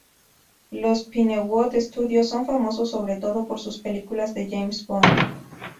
Los Pinewood Studios son famosos sobre todo por sus películas de James Bond.